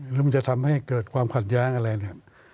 หรือมันจะทำให้เกิดความขัดแย้งอะไรเนี่ย